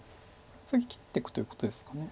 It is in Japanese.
次切っていくということですか。